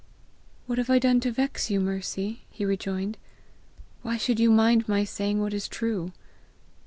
"What have I done to vex you, Mercy?" he rejoined. "Why should you mind my saying what is true?"